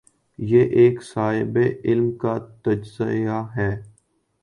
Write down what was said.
یہ ایک صاحب علم کا تجزیہ ہے۔